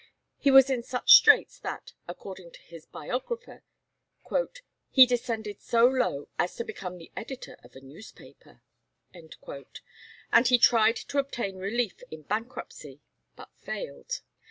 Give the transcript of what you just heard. He was in such straits that, according to his biographer, "he descended so low as to become the editor of a newspaper," and he tried to obtain relief in bankruptcy, but failed.